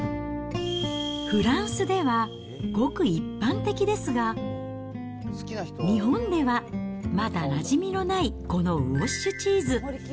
フランスではごく一般的ですが、日本ではまだなじみのない、このウォッシュチーズ。